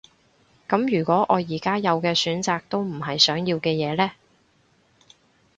噉如果我而家有嘅選擇都唔係想要嘅嘢呢？